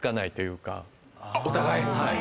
お互いに。